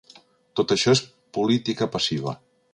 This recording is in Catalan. Tot això és política passiva.